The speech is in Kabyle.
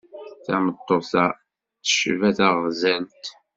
Tameṭṭut-a tecba taɣzalt.